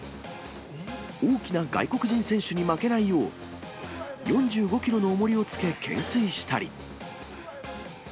大きな外国人選手に負けないよう、４５キロのおもりをつけて懸垂したり。